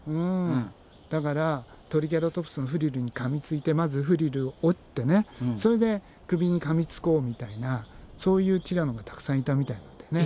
だからトリケラトプスのフリルに噛みついてまずフリルを折ってそれで首に噛みつこうみたいなそういうティラノがたくさんいたみたいなんだよね。